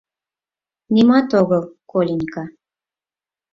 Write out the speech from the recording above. — Нимат огыл, Коленька.